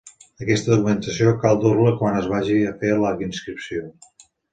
Aquesta documentació cal dur-la quan es vagi a fer la inscripció.